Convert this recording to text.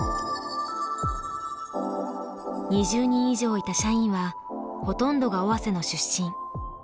２０人以上いた社員はほとんどが尾鷲の出身。